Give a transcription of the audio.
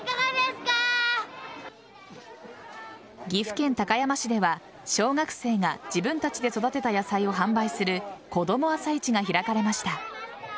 岐阜県高山市では小学生が自分たちで育てた野菜を販売するこども朝市が開かれました。